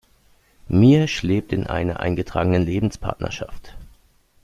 Miersch lebt in einer eingetragenen Lebenspartnerschaft.